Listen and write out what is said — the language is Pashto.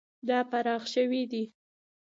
دا پراخ شوی دی.